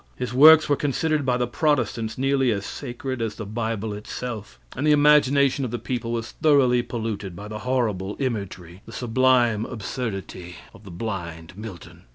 His works were considered by the Protestants nearly as sacred as the Bible itself, and the imagination of the people was thoroughly polluted by the horrible imagery, the sublime absurdity of the blind Milton.